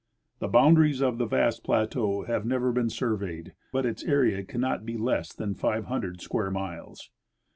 The boundaries of the vast plateau have never been surveyed, but its area cannot he less than five hundred square miles.